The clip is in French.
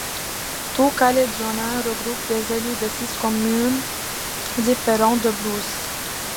Tous Calédoniens regroupe des élus de six communes différentes de Brousse.